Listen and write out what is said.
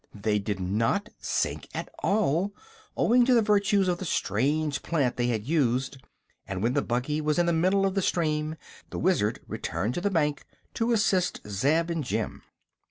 They did not sink at all, owing to the virtues of the strange plant they had used, and when the buggy was in the middle of the stream the Wizard returned to the bank to assist Zeb and Jim.